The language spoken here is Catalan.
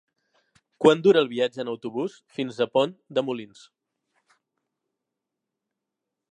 Quant dura el viatge en autobús fins a Pont de Molins?